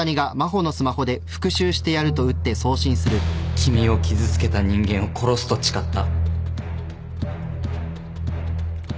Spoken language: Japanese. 君を傷つけた人間を殺すと誓った。